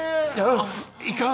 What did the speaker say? あいかん！